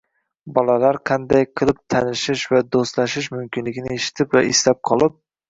Bolalar qanday qilib tanishish va do‘stlashish mumkinligini eshitib va eslab qolib